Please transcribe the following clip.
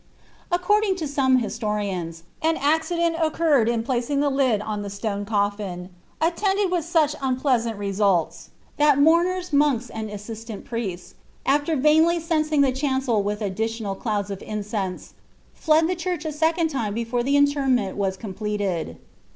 According to some historians, an accident occurred in placing the lid on the stone coffin, attended with such unpleasant results that moumera, monks, and tssistant priests, afler vainly censing the chancel with additional clouds of incense, fled the church a second time before the intennent was com pleted.